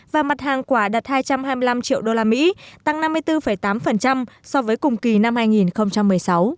và mặt hàng quả đạt hai trăm hai mươi năm triệu usd tăng năm mươi bốn tám so với cùng kỳ năm hai nghìn một mươi sáu